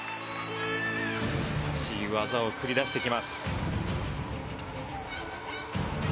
難しい技を繰り出してきます。